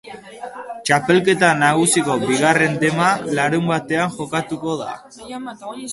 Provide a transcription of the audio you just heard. Txapelketa nagusiko bigarren dema larunbatean jokatuko da.